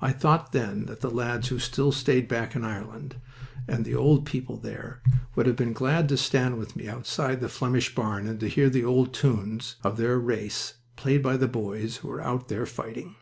I thought then that the lads who still stayed back in Ireland, and the old people there, would have been glad to stand with me outside that Flemish barn and to hear the old tunes of their race played by the boys who were out there fighting.